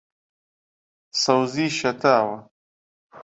سەوزی شەتاوە